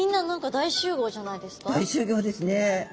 大集合ですね。